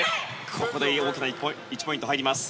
ここで大きな１ポイントが日本に入ります。